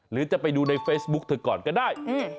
หรือจะไปดูในเฟซบุ๊กเธอก่อนก็ได้